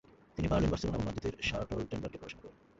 তিনি Berlin, Barcelona এবং মাদ্রিদের শার্লটেনবার্গে পড়াশোনা করেন।